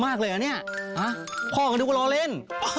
โอ้ยโอ้ยโอ้ยโอ้ยโอ้ย